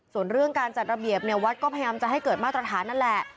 ส่วนเรื่องการจัดระเบียบแวะก็จะพยายามให้เกิดมาตรฐานนั้นแหละ